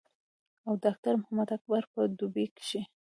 او ډاکټر محمد اکبر پۀ دوبۍ کښې